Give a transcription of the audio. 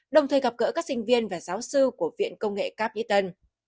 đồng thời gặp gỡ các sinh viên và giáo sư của viện công nghệ cáp nhĩ tân